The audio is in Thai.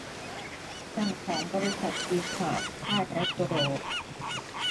สั่งของบริษัทจีนผ่าน พลาดแล้วตรู